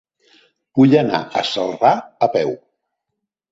Vull anar a Celrà a peu.